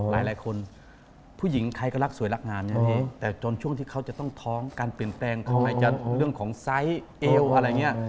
หลายคนผู้หญิงใครก็รักสวยรักงานอย่างนี้แต่จนช่วงที่เขาจะต้องท้องการเปลี่ยนแปลงเขาอาจจะเรื่องของไซส์เอวอะไรอย่างนี้